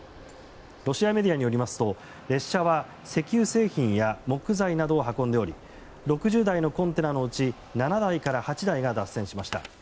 ロシアメディアによりますと列車は石油製品や木材などを運んでおり６０台のコンテナのうち７台から８台が脱線しました。